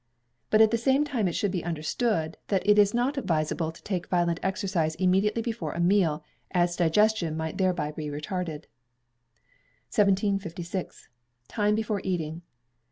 But at the same time it should be understood, that it is not advisable to take violent exercise immediately before a meal, as digestion might thereby be retarded. 1756. Time Before Eating.